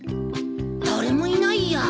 誰もいないや。